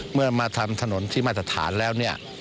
เมื่อมาทำถนนที่มาสถานแล้ว